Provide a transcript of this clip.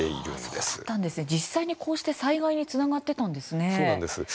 実際にこうして災害につながってたんですね。